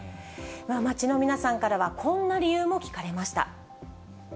街の皆さんからはこんな理由も聞かれました。